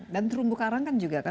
dan terumbu karang kan juga kan